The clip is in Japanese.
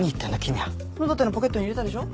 野立のポケットに入れたでしょ？